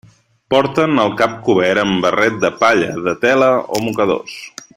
Porten el cap cobert amb barret de palla de tela o mocadors.